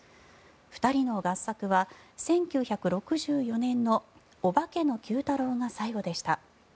２人の合作は１９６４年の「オバケのＱ太郎」が最後でした。